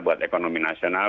buat ekonomi nasional